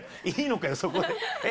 いいのかよ、そこで。